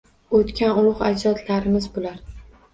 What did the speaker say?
O‘tgan ulug‘ ajdodlarimiz bular.